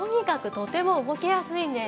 とても動きやすいんです。